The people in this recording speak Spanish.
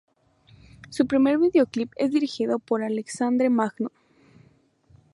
Su primer video clip es dirigido por Alexandre Magno.